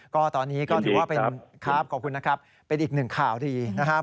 ก็ตอนนี้ก็ถือว่าเป็นครับขอบคุณนะครับเป็นอีกหนึ่งข่าวดีนะครับ